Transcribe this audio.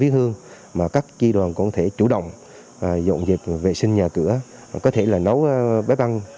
viết hương mà các chi đoàn có thể chủ động dọn dẹp vệ sinh nhà cửa có thể là nấu bếp ăn